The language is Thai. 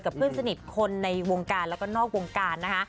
เพื่อนสนิทคนในวงการแล้วก็นอกวงการนะคะ